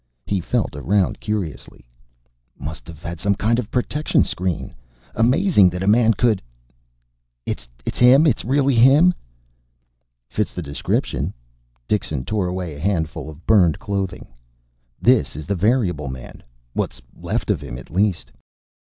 He felt around curiously. "Must have had some kind of protection screen. Amazing that a man could " "It's him? It's really him?" "Fits the description." Dixon tore away a handful of burned clothing. "This is the variable man. What's left of him, at least."